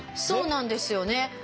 そうなんですよね。